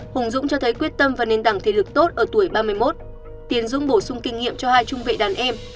hùng dũng cho thấy quyết tâm và nền đẳng thể lực tốt ở tuổi ba mươi một tiền dung bổ sung kinh nghiệm cho hai trung vệ đàn em